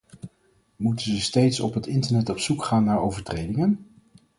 Moeten ze steeds op het internet op zoek gaan naar overtredingen?